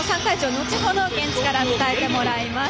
後程現地から伝えてもらいます。